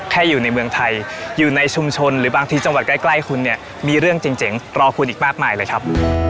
แค่อยู่ในเมืองไทยอยู่ในชุมชนหรือบางทีจังหวัดใกล้คุณเนี่ยมีเรื่องเจ๋งรอคุณอีกมากมายเลยครับ